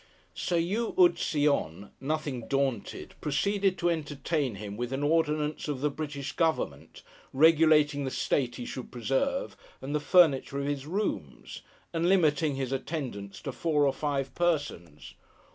Sir Yew ud se on, nothing daunted, proceeded to entertain him with an ordinance of the British Government, regulating the state he should preserve, and the furniture of his rooms: and limiting his attendants to four or five persons.